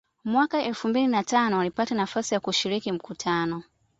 Mwaka elfu mbili na tano alipata nafasi ya kushiriki mkutano